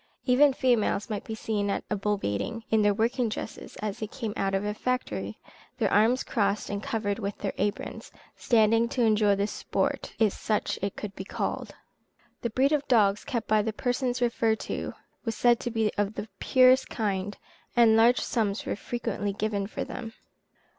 Even females might be seen at a bull baiting, in their working dresses as they came out of a factory, their arms crossed and covered with their aprons, standing to enjoy the sport, if such it could be called. The breed of dogs kept by the persons referred to was said to be of the purest kind, and large sums were frequently given for them.